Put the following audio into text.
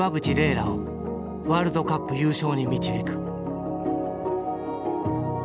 楽をワールドカップ優勝に導く。